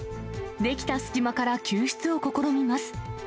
出来た隙間から救出を試みます。